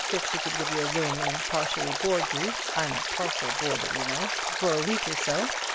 if she could give you a room and partially board you, I'm a partial boarder, you know, for a week or so.